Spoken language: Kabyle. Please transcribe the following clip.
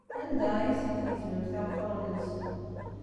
Anda ay asen-tgezmemt iɣfawen-nsen?